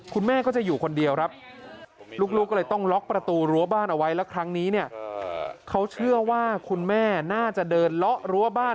คุณแม่ก็จะอยู่คนเดียวครับลูกก็เลยต้องล็อกประตูรั้วบ้านเอาไว้แล้วครั้งนี้เนี่ยเขาเชื่อว่าคุณแม่น่าจะเดินเลาะรั้วบ้าน